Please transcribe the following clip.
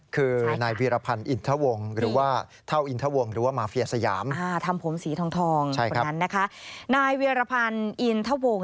คือรักษณะนายเวียระพันธ์อินทะวง